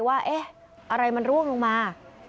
ว่าเอ๊ะอะไรมันร่วงลงมา